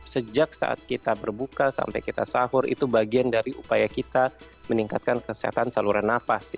sejak saat kita berbuka sampai kita sahur itu bagian dari upaya kita meningkatkan kesehatan saluran nafas